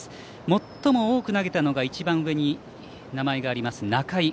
最も多く投げたのが一番上に名前があります、仲井。